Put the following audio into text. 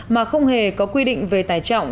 mà không hề có quy định về tài trọng